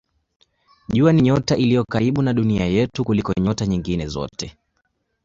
Jua ni nyota iliyo karibu na Dunia yetu kuliko nyota nyingine zote.